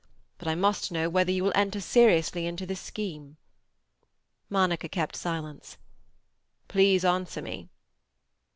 But I must know whether you will enter seriously into this scheme." Monica kept silence. "Please answer me."